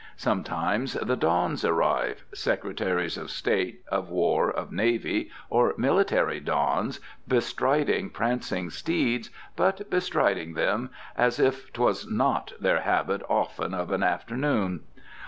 Sometimes the Dons arrive, Secretaries of State, of War, of Navy, or military Dons, bestriding prancing steeds, but bestriding them as if "'twas not their habit often of an afternoon."